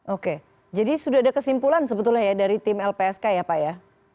oke jadi sudah ada kesimpulan sebetulnya ya dari tim lpsk ya pak ya